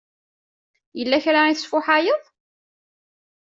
Yella kra i tesfuḥayeḍ?